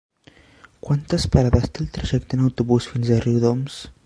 Quantes parades té el trajecte en autobús fins a Riudoms?